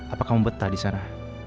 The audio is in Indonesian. apa kamu betah di sana